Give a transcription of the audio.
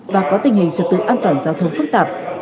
và có tình hình trật tự an toàn giao thông phức tạp